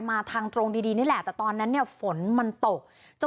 มาทางตรงดีนี่แหละแต่ตอนนั้นเนี่ยฝนมันตกจน